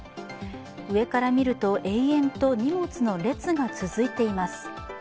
上から見ると延々と荷物の列が続いています。